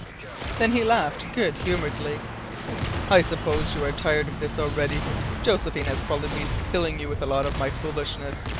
Then he laughed good humouredly. "I suppose you are tired of this already. Josephine has probably been filling you with a lot of my foolishness.